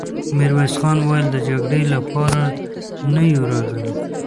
ميرويس خان وويل: د جګړې له پاره نه يو راغلي!